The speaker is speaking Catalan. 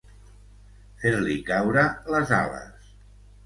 Fer-li caure les ales.